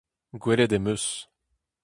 Gwelet em eus.